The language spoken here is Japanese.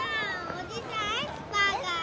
おじさんエスパーかよ。